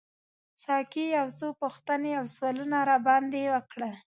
ساقي یو څو پوښتنې او سوالونه راباندي وکړل.